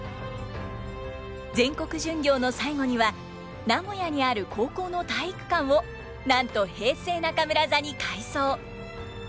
全国巡業の最後には名古屋にある高校の体育館をなんと平成中村座に改装。